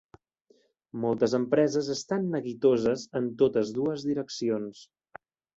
Moltes empreses estan neguitoses en totes dues direccions.